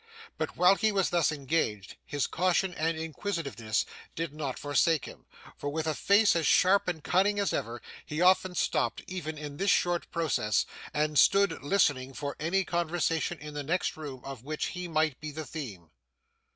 But, while he was thus engaged, his caution and inquisitiveness did not forsake him, for with a face as sharp and cunning as ever, he often stopped, even in this short process, and stood listening for any conversation in the next room, of which he might be the theme.